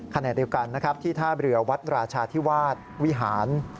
ขณะเดียวกันนะครับที่ท่าเรือวัดราชาธิวาสวิหาร